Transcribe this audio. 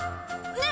ねえ！